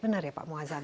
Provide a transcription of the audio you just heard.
benar ya pak muazzam